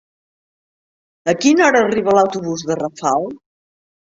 A quina hora arriba l'autobús de Rafal?